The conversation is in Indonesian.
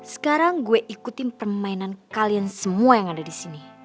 sekarang gue ikutin permainan kalian semua yang ada disini